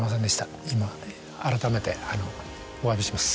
今あらためておわびします。